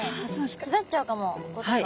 滑っちゃうかもこことか。